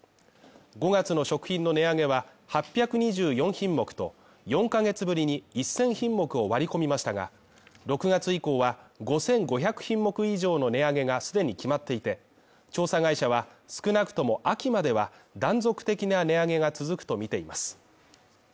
５月の食品の値上げは８２４品目と４か月ぶりに１０００品目を割り込みましたが、６月以降は５５００品目以上の値上げが既に決まっていて、調査会社は少なくとも秋までは断続的な値上げが続くとみています。